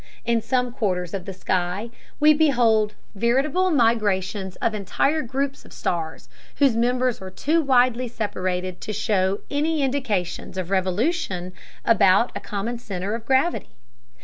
In some quarters of the sky we behold veritable migrations of entire groups of stars whose members are too widely separated to show any indications of revolution about a common center of gravity.